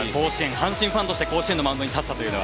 阪神ファンとして甲子園のマウンドに立ったというのは。